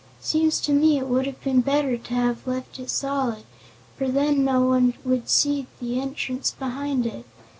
Seems to me it would have been better to have left it solid, for then no one would have seen the entrance behind it.